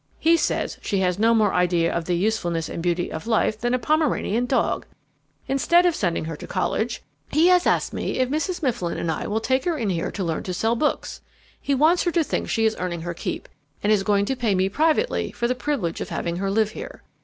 He says she has no more idea of the usefulness and beauty of life than a Pomeranian dog. Instead of sending her to college, he has asked me if Mrs. Mifflin and I will take her in here to learn to sell books. He wants her to think she is earning her keep, and is going to pay me privately for the privilege of having her live here.